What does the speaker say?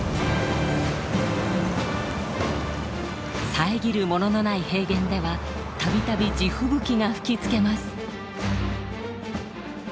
遮るもののない平原ではたびたび地吹雪が吹きつけます。